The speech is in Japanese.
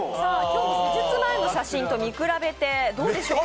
今日施術前の写真と見比べてどうでしょう？